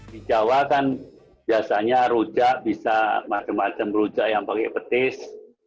di jawa kan biasanya rujak bisa macam macam rujak yang pakai petis